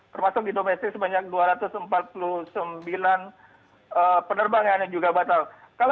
termasuk di domestik sebanyak dua ratus empat puluh sembilan penerbangan yang juga batal